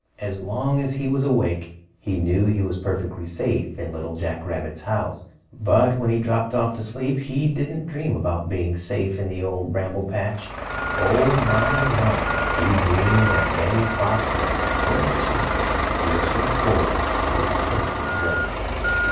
As long as he was awake, he knew he was perfectly safe in Little Jack Rabbit's house. But when he dropped off to sleep he didn't dream about being safe in the Old Bramble Patch. Oh, my, no! He dreamed that Danny Fox was still chasing him, which, of course, was simply dreadful.